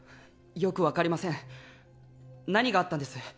よく分かりません何があったんです？